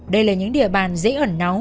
đây là những địa bàn dễ ẩn nóng